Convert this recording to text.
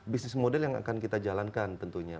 bisnis model yang akan kita jalankan tentunya